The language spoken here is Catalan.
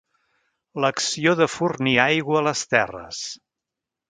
L'acció de fornir aigua a les terres.